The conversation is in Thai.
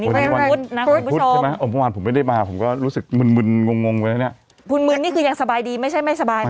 อ่อมเมืองวันผมไม่ได้มาผมก็รู้สึกนึนมึนมึนกวีวันนี้คือดีไม่ใช่ไม่สบายนะคะ